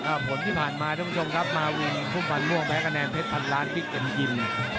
อ่าผลที่ผ่านมาทุกผู้ชมครับมาวิงภูมิฟันม่วงแพ้กระแนนเพชรพันล้านบิ๊กกันยิน